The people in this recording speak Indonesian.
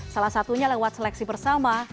salah satunya lewat seleksi bersama